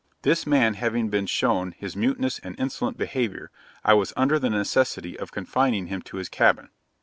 This man having before shown his mutinous and insolent behaviour, I was under the necessity of confining him to his cabin.'